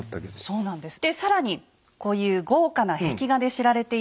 そうなんですよ！